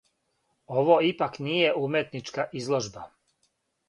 Ово ипак није уметничка изложба.